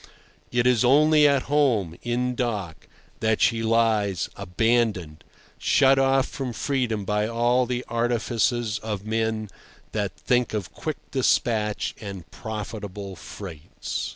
It is only at home, in dock, that she lies abandoned, shut off from freedom by all the artifices of men that think of quick despatch and profitable freights.